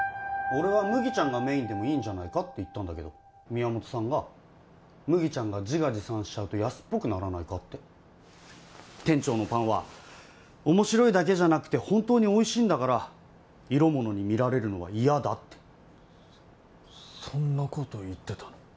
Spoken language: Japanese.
俺は麦ちゃんがメインでもいいんじゃないかって言ったんだけど宮本さんが麦ちゃんが自画自賛しちゃうと安っぽくならないかって店長のパンは面白いだけじゃなくて本当においしいんだから色物に見られるのは嫌だってそそんなこと言ってたの？